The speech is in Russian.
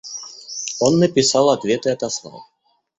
Он написал ответ и отослал.